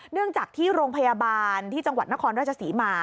เนื่องจากที่โรงพยาบาลที่จังหวัดนครราชศรีมา